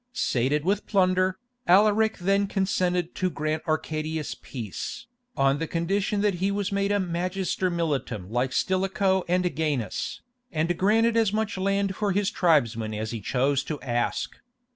Sated with plunder, Alaric then consented to grant Arcadius peace, on condition that he was made a Magister militum like Stilicho and Gainas, and granted as much land for his tribesmen as he chose to ask.